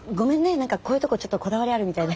何かこういうとこちょっとこだわりあるみたいで。